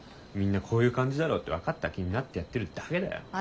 みんな「こういう感じだろ」って分かった気になってやってるだけだよ。